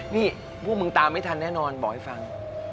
นี่พวกมึงตามไม่ทันแน่นอนบอกให้ฟัง